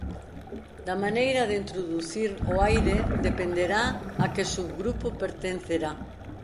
Da maneira de introducir o aire dependerá a que subgrupo pertencerá.